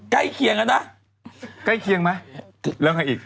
ใกล้เคียงกันนะใกล้เคียงไหมแล้วไงอีก